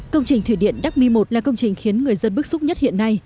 công trình thủy điện đắc mi một là công trình khiến người dân bức xúc nhất hiện nay